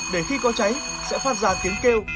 để khi có cháy sẽ phát ra tiếng kêu